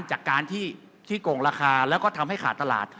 จากการที่โกงราคาแล้วก็ทำให้ขาดตลาด